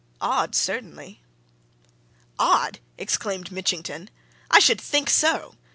Odd, certainly!" "Odd?" exclaimed Mitchington. "I should think so!